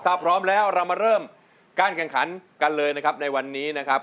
ถ้าพร้อมแล้วเรามาเริ่มการแข่งขันกันเลยนะครับในวันนี้นะครับ